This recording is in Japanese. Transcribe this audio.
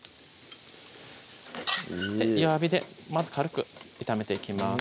弱火でまず軽く炒めていきます